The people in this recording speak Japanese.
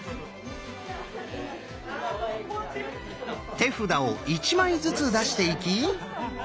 手札を１枚ずつ出していき。